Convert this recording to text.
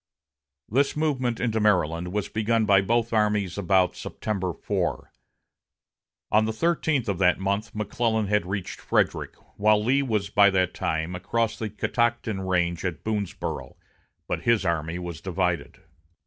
This movement into Maryland was begun by both armies about September 4. On the thirteenth of that month McClellan had reached Frederick, while Lee was by that time across the Catoctin range at Boonsboro', but his army was divided.